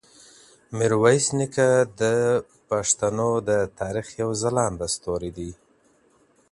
میرویس نیکه د پښتنو د تاریخ یو ځلانده ستوری دی.